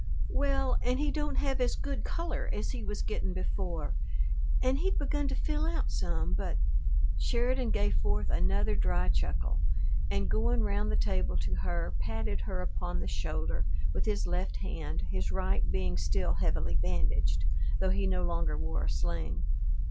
"Well, and he don't have as good color as he was gettin' before. And he'd begun to fill out some, but " Sheridan gave forth another dry chuckle, and, going round the table to her, patted her upon the shoulder with his left hand, his right being still heavily bandaged, though he no longer wore a sling.